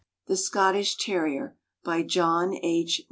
THE SCOTTISH TEKRIER. BY JOHN H.